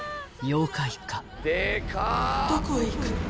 「どこへ行くの？